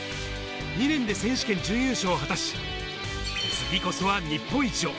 ２年で選手権準優勝を果たし、次こそは日本一を！